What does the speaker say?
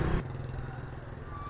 phương nguyễn nguyễn nguyễn